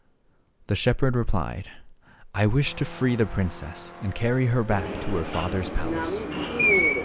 " The shepherd replied, "I wish to free the princess, and carry her back to her father's palace."